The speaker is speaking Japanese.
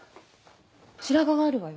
白髪があるわよ。